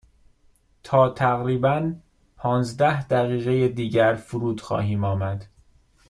تا تقریبا پانزده دقیقه دیگر فرود خواهیم آمد.